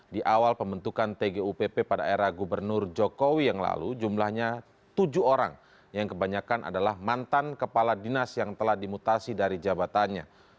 di awal pembentukan tgupp pada era gubernur jokowi yang lalu jumlahnya tujuh orang yang kebanyakan adalah mantan kepala dinas yang telah dimutasi dari jabatannya